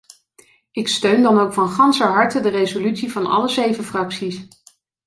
Ik steun dan ook van ganser harte de resolutie van alle zeven fracties.